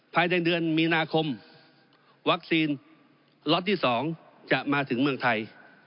ภายในเดือนมีนาคมวัคซีนล็อตที่๒จะมาถึงเมืองไทย